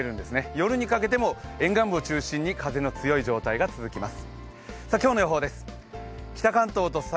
夜にかけても沿岸部を中心に風の強い状態が続きます。